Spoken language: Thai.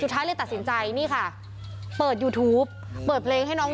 เจ็บท้อง